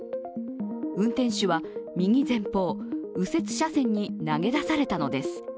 運転手は右前方、右折車線に投げ出されたのです。